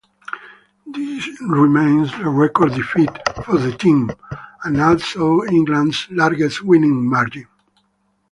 This remains the record defeat for the team, and also England's largest winning margin.